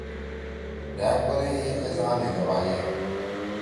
ڈھأگ بنی یی ایس آ نے دے بھاییا۔